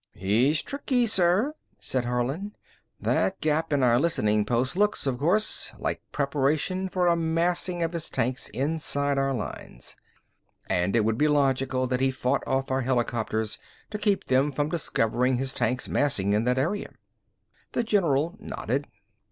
"He's tricky, sir," said Harlin. "That gap in our listening posts looks, of course, like preparation for a massing of his tanks inside our lines. And it would be logical that he fought off our helicopters to keep them from discovering his tanks massing in that area." The general nodded.